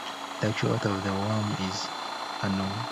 The actual author of the worm is unknown.